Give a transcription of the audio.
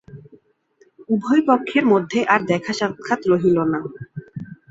উভয়পক্ষের মধ্যে আর দেখাসাক্ষাৎ রহিল না।